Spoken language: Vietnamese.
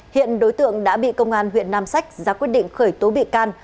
hiện đối tượng đã bị công an huyện nam sách ra quyết định khởi tố bị can